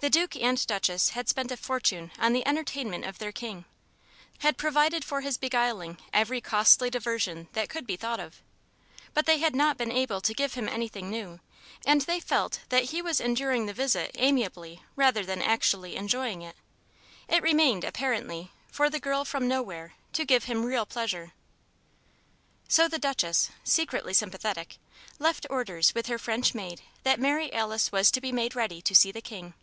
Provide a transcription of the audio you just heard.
The Duke and Duchess had spent a fortune on the entertainment of their King; had provided for his beguiling every costly diversion that could be thought of. But they had not been able to give him anything new, and they felt that he was enduring the visit amiably rather than actually enjoying it. It remained, apparently, for the Girl from Nowhere to give him real pleasure. So the Duchess secretly sympathetic left orders with her French maid that Mary Alice was to be made ready to see the King.